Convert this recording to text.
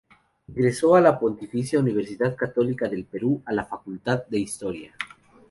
Ingresó en la Pontificia Universidad Católica del Perú, a la Facultad de Historia.